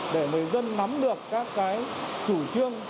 để người dân nắm được các chủ trương